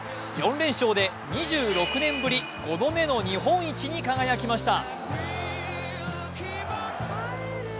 ４連勝で２６年ぶり５度目の日本一に輝きました。